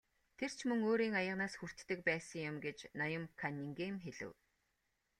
Тэр ч мөн өөрийн аяганаас хүртдэг байсан юм гэж ноён Каннингем хэлэв.